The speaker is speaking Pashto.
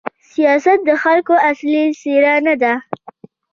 سیاست د خلکو اصلي څېره نه ده.